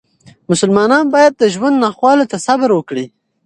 مسلمانان باید د ژوند ناخوالو ته صبر وکړي.